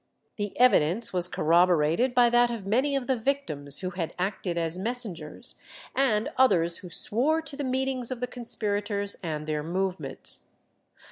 The evidence was corroborated by that of many of the victims who had acted as messengers, and others who swore to the meetings of the conspirators and their movements.